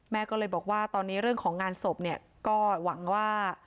แม่ก็เลยบอกว่าตอนนี้เรื่องของงานศพเนี่ยก็หวังว่า